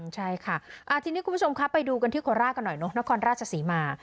ใช่ค่ะทีนี้คุณผู้ชมครับไปดูกันที่โคราชกันหน่อยเนอะนครราชศรีมา